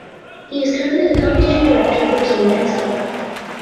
He is currently the competition director for Team Penske.